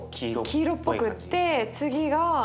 黄色っぽくって次が。